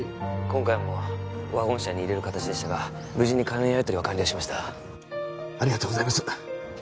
今回もワゴン車に入れる形でしたが無事に金のやりとりは完了しましたありがとうございます